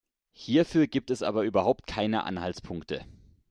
Hierfür gibt es aber überhaupt keine Anhaltspunkte.